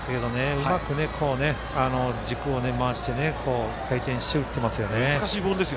うまく軸を回して回転して打っていますよね。